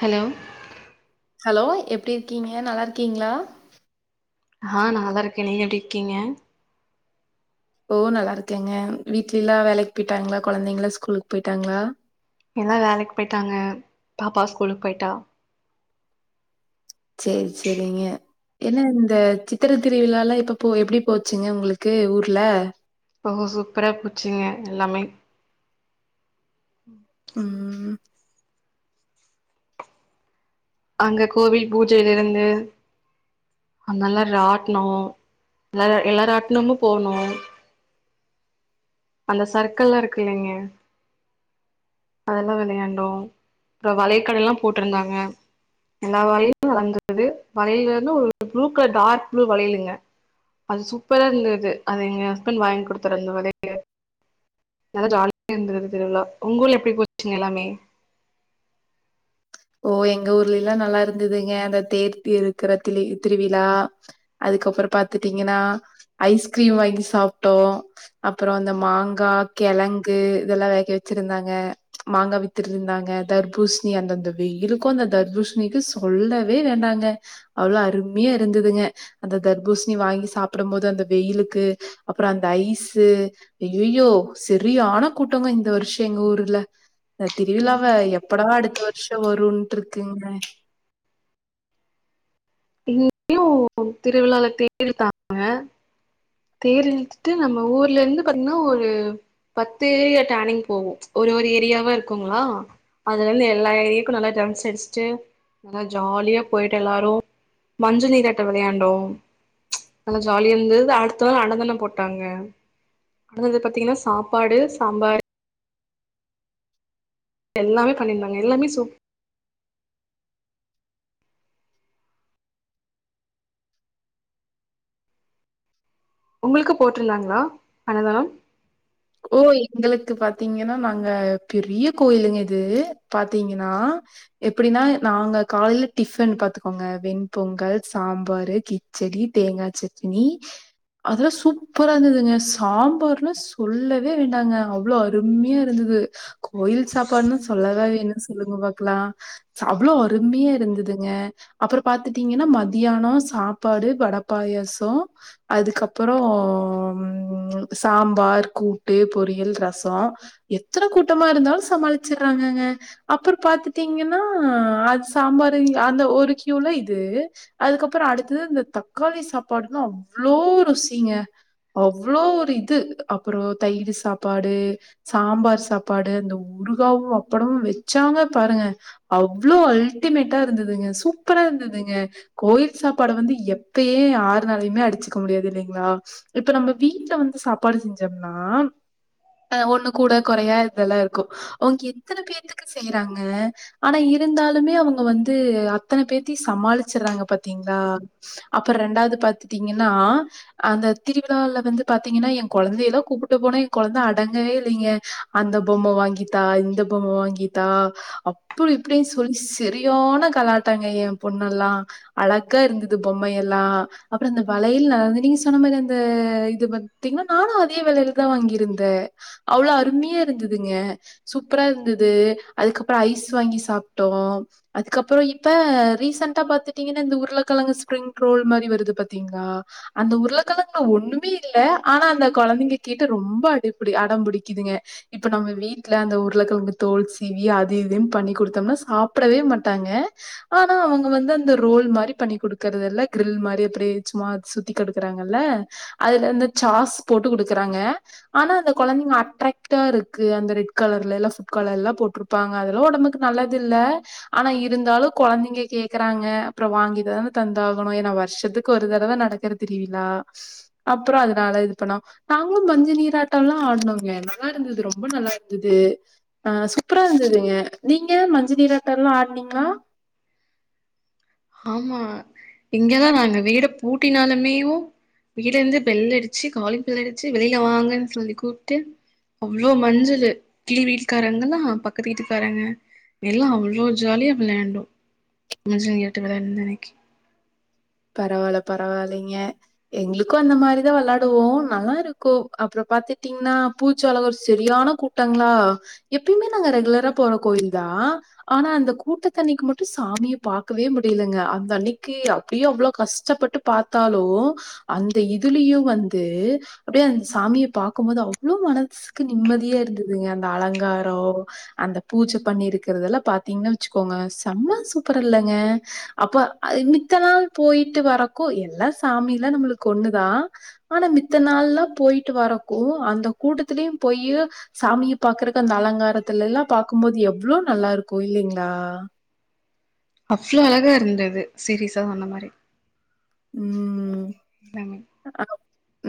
Hello hello எப்டி இருக்கீங்க நல்லா ருக்கீங்களா அ நா நல்லா இருக்க நீங்க எப்டி இருக்கீங்க ஓ நல்லா இருக்கேங்க வீட்ல எல்லா வேலைக் போய்ட்டாங்ளா கொழந்தைங்ளா ஸ்கூலுக் போய்ட்டாங்ளா எல்லா வேலைக்கு போயிட்டாங்க பாப்பா ஸ்கூலுக் போய்ட்டா செரி செரிங்க என்ன இந்த சித்திர திருவிழாலா எப் இப்ப போ எப்படி போச்சுங்க உங்ளுக்கு ஊர்ல ஓஹோ சூப்பரா போச்சுங்க எல்லாமே உம் அங்க கோவில் பூஜையில ருந்து அங்கல்லா ராட்னோ எல்ல எல்லா ராட்டனுமு போனோ அந்த சர்க்கல்லாருக்கு ல்லைங்க அதெல்லா விளையாண்டோ அப்பறோ வளைக்கட ல்லா போட்ருந்தாங்க எல்லா வளையிலு வளர்ந்தது வளையலு [unintelligible] ஒரு ப்ளூ கலர் டார்க் ப்ளூ வளையலுங்க அது சூப்பரா ருந்தது அது எங்க ஹஸ்பண் வாய்ங் கொடுத்தரு அந்த வளையலு எல்லா ஜாலியா ருந்தது திருவிழா உங்கூர்ல எப்டி போச்சுங்க எல்லாமே ஓ எங்க ஊர்ல லெல்லா நல்லா ருந்ததுங்க அந்த தேர்த்த இருக்கற தி திருவிழா அதுக்கப்புற பத் பாத்தீங்கன்னா ஐஸ்கிரீம் வாங்கி சாப்ட்டோ அப்பறோ அந்த மாங்கா கெழங்கு இதெல்லா வேக வச்சிருந்தாங்க மாங்கா வித்துட்டு ருந்தாங்க தர்பூச்ணி அந்தந்த வெயிலுக்கு அந்த தர்பூஷணிக்கு சொல்லவே வேண்டாங்க அவ்ளோ அருமியா இருந்ததுங்க அந்த தர்பூஷ்ணி வாங்கி சாப்பிடும் போது அந்த வெயிலுக்கு அப்புறோ அந்த ஐஸு ஐயயோ சரியான கூட்டங்க இந்த வர்ஷு எங்க ஊர்ல இந்த திருவிலாவ எப்படா அடுத்து வரு ருஷோ வருன்ட்ருக்குங்க இங்யு திருவிழால தேர்ழு தாங்க தேரிழுத்துட்டு நம்ம ஊர்ல ருந்து பாத்தீங்ன்னா ஒரு பத்து ஏரியா டேனிங் போவோ ச்ச் ஒரு ஒரு ஏரியாவா இருக்குங்களா அதுலந்து எல்லா ஏரிக்கு நல்லா டிரம்ஸ் அடிஷ்ட்டு நல்லா ஜாலியா போய்ட்டு எல்லாரு மஞ்சள் நீராட்டோ விளையாண்டோ நல்லா ஜாலியா இருந்தது அடுத்த நாள் அன்னதாண்ணோ போட்டாங்க அடுத்தது பாத்தீங்கன்னா சாப்பாடு சாம்பார் எல்லாமே பண்ணியிருந்தாங்க எல்லாமே சூப் உங்களுக்கு போட்டுருந்தாங்ளா அன்னதானம் ஓ எங்களுக்கு பாத்தீங்கன்னா நாங்க பெரிய கோயிலுங்க இது பாத்தீங்கன்னா எப்படின்னா நாங்க காலையில டிஃபன் பாத்துக்கோங்க வெண்பொங்கல் சாம்பரு கிச்சடி தேங்கா சட்டினி அதெல்லா சூப்பரா ருந்ததுங்க சாம்பார்ன்னா சொல்லவே வேண்டாங்க அவ்ளோ அருமையா இருந்தது கோயில் சாப்பாடுன்னு சொல்லவா வேணு சொல்லுங்க பாக்கலா அவ்ளோ அருமையா இருந்ததுங்க அப்புற பாத்துட்டீங்கன்னா மதியானொ சாப்பாடு வடப்பாயாசோ அதுக்கப்பறோ ம் சாம்பார் கூட்டு பொரியல் ரசொ எத்தன கூட்டமா ருந்தாலு சமாளிச்சுட்றாங்கங்க அப்புற பாத்துட்டீங்கன்னா அது சாம்பாரு அந்த ஒரு கியூல இது அதுக்கப்பற அடுத்து இந்த தக்காளி சாப்பாடுன்னா அவ்ளோ ருசிங்க அவ்ளோ ஒரு இது அப் பற தயிரு சாப்பாடு சாம்பார் சாப்பாடு அந்த உருகாவு அப்பளமு வெச்சாங்க பாருங்க அவ்ளோ அல்டிமேட்டா ருந்ததுங்க சூப்பரா இருந்தேதுங்க கோயில் சாப்பாடு வந்து எப்பயே ஆறுனாலையுமே அடிச்சுக்க முடியாது ல்லிங்களா இப்ப நம்ம வீட்ல வந்து சாப்பாடு செஞ் சப்னாஅ ஒண்ணு கூட கொறையா இதல்லா ருக்கு அவுங்க எத்தன பேருக்கு செய்யறாங்க ஆனா இருந்தாலுமே அவங்க வந்து அத்தன பேத்தயு சமாளிச்சுற்றாங்க பாத்தீங்களா அப்புற ரெண்டாவது பாத்துட்டீங்கன்னா அந்த திருவிழால வந்து பாத்தீங்கன்னா எ கூ கொழந்தையல்லா கூப்புட்டு போனா எ கொழந்த அடங்கவே இல்லைங்க அந்த பொம்ம வாங்கித்தா இந்த பொம்ம வாங்கித்தா அப்பிடி இப்பிடின்னு சொல்லி சரியான கலாட்டாங்க எ பொண்ணல்லா அழகா ருந்தது பொம்மைய ல்லா அப்புற அந்த வலையில் அ நீங்க சொன்ன மாரி அந்த இது பாத்தீங்கன் நானு அதே வளையல் தா வாங்கியிருந்தே அவ்ளோ அருமியா ருந்ததுங்க சூப்பரா இருந்துது அதுக்கப்பற ஐஸ் வாங்கி சாப்ட்டோ அதுக்கப்பறோ இப்ப ரீசன்ட்டா பாத்துட்டீங்கன்னா இந்த உருளக்கெழங்கு ஸ்பிரிங் ரோல் மாரி வருது பாத்தீங்களா அந்த உருளகெழங்குல ஒண்ணுமே இல்ல ஆனா அந்த கொழந்தைங்க கேட்டு ரொம்ப அடிபிடி அடம் பிடிக்குதுங்க இப்ப நம்ம வீட்ல அந்த உருளைக்கெழங்கு தோல் சீவி அது இதுனு பண்ணி குடுத்தோம்னா சாப்பிடவே மாட்டாங்க ஆனா அவுங்க வந்து அந்த ரோல் மாதிரி பண்ணி குடுக்கறல்ல கிரில் மாதிரி அப்படியே சும்மா சுத்திடுக்குறாங்கல்ல அதுல இந்த சாஸ் போட்டு குடுக்கறாங்க ஆனா அந்த கொழந்தைங்க அட்ராக்டா இருக்கு அந்த ரெட் கலர்லல்லா ஃபுட் கலர் எல்லா போட்டுருப்பாங்க அதெல்லா ஒடம்புக்கு நல்லது இல்ல ஆனா இருந்தாலு கொழந்தைங்க கேக்குறாங்க அப்புறோ வாங்கி தானே தந்தாகணும ஏன்னா வருஷத்துக்கு ஒரு தடவ நடக்கிற திருவிழா அப்புறோ அ இது பண்ணோ நாங்களும் மஞ்சள் நீராட்டோ ல்லா ஆடனோங்க நல்லா இருந்துது ரொம்ப நல்லா இருந்துது ஆ சூப்பரா இருந்துதுங்க நீங்க மஞ்சள் நீராட்டோல்லா ஆட்னீங்ளா ஆமா இங்கதா நாங்க வீட பூட்டினாலுமேயு வெளில இருந்து பெல் அடிச்சு காலிங் பெல் அடிச்சு வெளியில வாங்கன் சொல்லி கூப்ட்டு அவ்ளோ மஞ்சளு கீழா வீட்டுக்காரங்கல்லா பக்கத்து வீட்டுக்காரங்க எல்லா அவ்ளோ ஜாலியா விளையாண்டோ மஞ்சள்நீராட் [unintelligible] பரவால்ல பரவால்லைலைங்க எங்களுக்கு அந்த மாரிதா வெளாடுவோ நல்லா இருக்கு அப்றோ பாத்துட்டீங்கன்னா பூச்சோல ஒரு சரியான கூட்டங்ளா எப்புய்மே நாங்க ரெகுலரா போறோ கோயில தா ஆனா அந்த கூட்டத்தண்ணிக்கு மட்டு சாமிய பாக்கவே முடிலங்க அந்த அன்னைக்கு அப் அப்டியே அவ்ளோ கஷ்டப்பட்டு பாத்தாலு அந்த இதுலயு வந்து அப்டே அந்த சாமிய பாக்கும்போது அவ்ளோ மனசுக்கு நிம்மதியா இருந்துதுங்க அந்த அலங்காரோ அந்த பூஜ பண்ணி இருக்கறதெல்லா பாத்தீங்ன்னா வச்சுக்கோங்க செம்ம சூப்பர் இல்லங்க அப்போ இன் மித்த நாள் போயிட்டு வரக்கு எல்லா சாமிலாம் நம்மளுக்கு ஒண்ணுதா ஆனா மித்த நாள்லா போயிட்டு வரறக்கு அந்த கூட்டத்திலயும் போயி சாமிய பாக்கறக்கு அந்த அலங்காரத்துல எல்லா பாக்கும்போது எவ்ளோ நல்லா இருக்கும் இல்லைங்களா அவ்ளோ அழகா இருந்தது சீரீஸா சொன்ன மாதிரி உம் ம்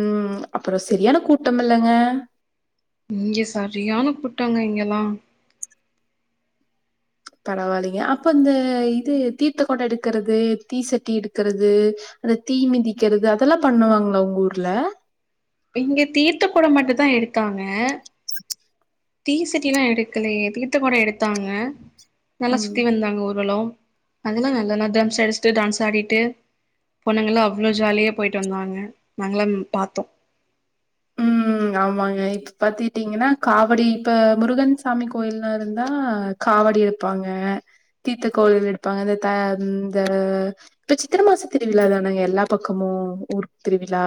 உம் அப்புறோ சரியான கூட்டம் இல்லைங்க இங்க சரியான கூட்டங்க இங்கல்லா பரவாயில்லைங்க அப்ப இந்த இது தீர்த்தக்கொட எடுக்கிறது தீசட்டி எடுக்கிறது அந்த தீ மிதிக்கிறது அதெல்லா பண்ணுவாங்களா உங்க ஊர்ல இங்க தீர்த்த கொட மட்டு தா எடுகாங்க தீசட்டி எல்லா எடுக்கலையே தீர்த்த கொட எடுத்தாங்க நல்லா ம் சுத்தி வந்தாங்க ஊர்வலொம் அதெல்லாம் நல்லன்னா டம்ஸ் அடிச்சுட்டு டான்ஸ் ஆடிட்டு பொண்ணங்கல்லா அவ்ளோவு ஜாலியா போயிட்டு வந்தாங்க நாங்களா பாத்தோம் உம் ஆமாங்க இப்ப பாத்திட்டீங்கன்னா காவடி இப்ப முருகன்சாமி கோயில்ல இருந்தா காவடி எடுப்பாங்க தீர்த்த கோயில் எடுப்பாங்க இந்த இந்த இப்ப சித்திரை மாச திருவிழா தானாங்க எல்லா பக்கமும் ஊரு திருவிழா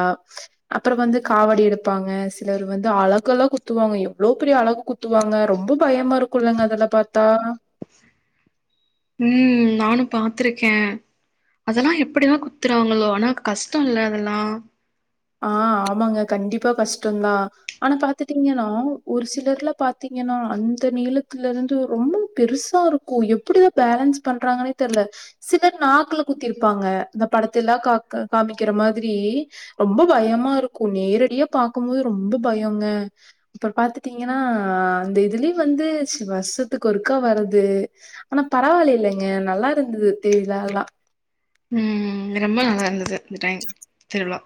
அப்றோம் வந்து காவடி எடுப் ப்பாங்க சிலர் வந்து அழகெல்லா குத்துவாங்க எவ்வளோபெரிய அழகு குத்துவாங்க ரொம்ப பயமா இருக்குலங்க அதெல்ல பார்த்தா உம் நானும் பாத்திருக்கே அதெல்லாம் எப்டிதா குத்துறாங்களோ ஆனா கஷ்ட இல்ல அதெல்லா ஆ ஆமாங்க கண்டிப்பா கஷ்டம்தா ஆனா பாத்துட்டீங்கன்னா ஒரு சிலர்ல பாாரத்தீங்கன்னா அந்த நீளத்துல இருந்து ரொம்ப பெருசா இருக்கும் எப்டிதா பேலன்ஸ் பண்றாங்கன்னே தெரியல சிலர் நாக்குல குத்திருப்பாங்க இந்த படத்தி எலா கா காமிக்கிற மாரி ரொம்ப பயமா இருக்கும் நேரடியா பாக்கும்போது ரொம்ப பயங்க அப்றம் பாத்துட்டீங்கன்னா அந்த இதுலயும் வந்து வருஷத்துக்கொருக்கா வர்து ஆனா பரவாயில்ல இல்லைங்க நல்லா இருந்தது தேரில எல்லாம் உம் ரொம்ப நல்லா இருந்தது இந்த டைம் திர்விழா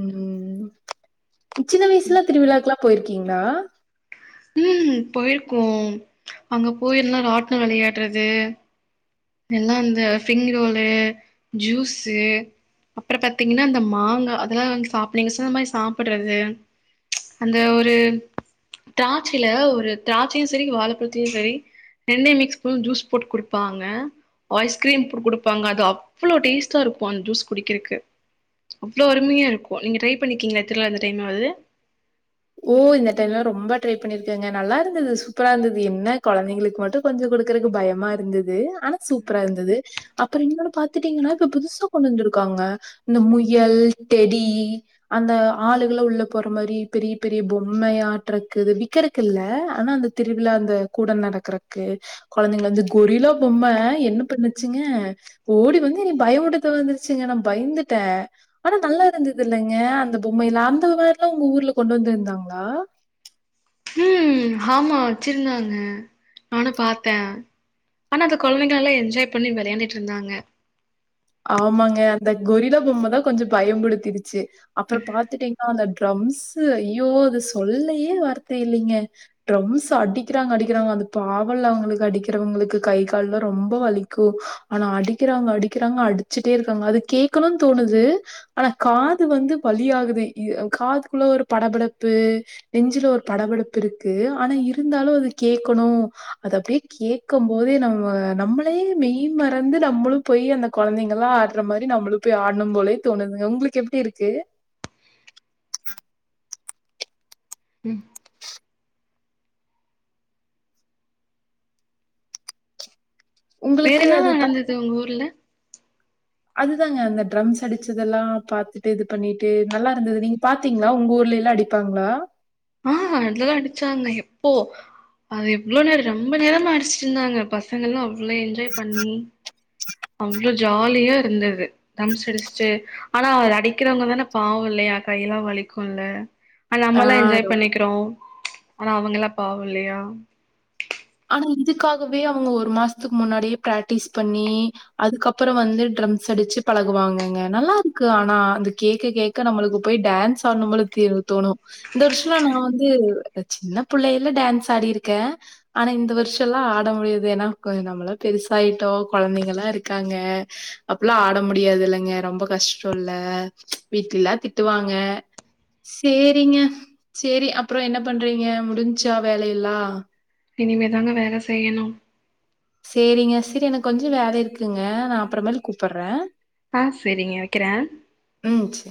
உம் சின்ன வயசுல திருவிழாக்கலா போயிருக்கீங்களா ம் போயிருக்கோம் அங்க போயிருன்னா ராட்ன விளையாடுறது எல்லாம் அந்த ஃபிங்ரோலு ஜூஸு அப்புறம் பாத்தீங்கன்னா அந்த மாங்காய் அதெல்லா சாப்பிங்க அந்த மாதிரி சாப்பிடுறது அந்த ஒரு திராட்சையில ஒரு திராட்சையும் சரி வாழைப்பழுத்தையும் செரி ரெண்டு மிக்ஸ் ஸ்பூன் ஜூஸ் போட்டு கொடுப்பாங்க ஐஸ்கிரீம் குடுப்பாங்க அது அவ்வளவு டேஸ்ட்டா இருக்கும் அந்த ஜூஸ் குடிக்கிறதுக்கு அவ்வளவு அருமையா இருக்கும் நீங்க ட்ரை பண்ணிக்கீங்களா திருவிழா அந்த டைம்ளாவது ஓ இந்த டைம்லாம் ரொம்ப ட்ரை பண்ணிருக்காங்க நல்லா இருந்தது சூப்பரா இருந்தது என்ன குழந்தைங்களுக்கு மட்டும் கொஞ்சோ கொடுக்குறக்கு பயமா இருந்தது ஆனா சூப்பரா இருந்தது அப்புறம் இன்னொன்ன பாத்துட்டீங்கன்னா இப்ப புதுசா கொண்டு வந்துருக்காங்க இந்த முயல் டெடி அந்த ஆளுகளா உள்ள போற மாதிரி பெரிய பெரிய பொம்மை ஆட்டுறக்குது விக்கறக்கு இல்ல ஆனா அந்த திருவிழா அந்த கூட நடக்குறக்கு குழந்தைங்க வந்து கொரியிலா பொம்மை என்ன பண்ணுச்சுங்க ஓடி வந்து என்ஞ பயமுருத்த வந்துருச்சுங்க நான் பயந்துட்டேன் ஆனா நல்லா இருந்தது இல்லைங்க அந்த பொம்மைைலா அந்த மாதிரி எல்லாம் உங்க ஊர்ல கொண்டு வந்துருந்தாங்களா உம் ஆமா வச்சிருந்தாங்க நானு பார்த்தே ஆனா அது குழந்தைகளால என்ஜாய் பண்ணி விளையாண்டுட்டு இருந்தாங்க ஆமாங்க அந்த ஃகொரில பொம்மைதா கொஞ்சோ பயம்முடுத்தடுச் சேரி அப்புறம் பாத்துட்டீங்கன்னா அந்த ட்ரம்ஸ் ஐயோ அது சொல்லையே வார்த்தை இல்லைங்க ட்ரம்ஸ் அடிக்கிறாங்க அடிக்கிறாங்க அந்த பாவல அவங்களுக்கு அடிக்கிறவங்களுக்கு கை கால்லாம் ரொம்ப வலிக்கும் ஆனா அடிக்கிறவங்க அடிக் அடிக்கறாங்க அடிச்சுட்டே இருக்காங்க அது கேட்கனு தோணுது ஆனா காது வந்து வழியாகுது காதுக்குள்ள ஒரு படபடப்பு நெஞ்சில ஒரு படபடப்பு இருக்கு ஆனா இருந்தாலும் அது கேட்கணும் அது அப்டியே கேடக்கும் போதே நம்ம நம்மளே மெய் மறந்து நம்மளும் போயி அந்த குழந்தைங்கல்லாம் ஆடற மாதிரி நம்மளு போய் ஆடனும் போலே தோணுதுங்க உங்களுக்கு எப்டி இருக்கு உம் வேற உங்களுக்கு என்னால அது ப நடந்தது உங்க ஊர்ல அதுதாங்க அந்த ட்ரம்ஸ் அடிச்சது எல்லாம் பாத்துட்டு இது பண்ணிட்டு நல்லா இருந்தது நீங்க பாத்தீங்களா உங்க ஊர்லி எல்லா அடிப்பாங்களா ஆஹ் அதெல்லாம் அடிச்சாங்க எப்போ அது எவ்ளோ நேரோ ரெம்ப நேரமா அடிச்சிட்டு இருந்தாங்க பசங்க எல்லா ங்கலா என்ஜாய் பண்ணி அவ்ளோ ஜாலியா இருந்தது தம்ஸ் அடிச்சுட்டு ஆனா அத அடிக்கிறவங்க தான பாவோ இல்லையா கையெல்லாம் வலிக்கும் இல்ல நம்ம எல்லாம் ஆ என்ஜாய் பண்ணிக்கிறோம் ஆனா அவங்க எல்லா பாவோ இல்லையா ஆனா இதுக்காகவே அவங்க ஒரு மாசத்துக்கு முன்னாடியே பிராக்டிஸ் பண்ணி அதுக்கப்பறோ வந்து ட்ரம்ஸ் அடிச்சு பழகுவாங்கங்க நல்லா இருக்கு ஆனா அத கேட்க கேட்க நம்மளுக்கு போய் டான்ஸ் ஆடனு போல தேவு தோணு இந்த வருஷோலா நா வந்து சின்ன புள்ளையில்ல டான்ஸ் ஆடிருக்கே ஆனா இந்த வருஷோ எல்லா ஆட முடியாது ஏன்னா கொஞ்சோ நம்மலா பெருசாயிட்டோ கொழந்தைங்க எல்லா இருக்காங்க அப்பல்லா ஆட முடியாது இல்லங்க ரொம்ப கஷ்டோ இல்ல வீட்ல எல்லா திட்டுவாங்க சேரிங்க சேரி அப்பறோ என்ன பண்றீங்க முடிஞ்சா வேலயில்லா இனிமே தாங்க வேல செய்யணு சேரிங்க செரி எனக்கு கொஞ்சோ வேல இருக்குங்க நா அப்பற மேல் கூப்பற்றே ஆ சேரிங்க வெக்கிறே ம் சரி.